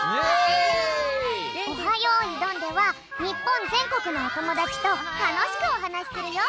よいどん」ではにっぽんぜんこくのおともだちとたのしくおはなしするよ。